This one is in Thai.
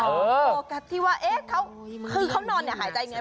โฟกัสที่ว่าเอ๊ะคือเขานอนหายใจยังไง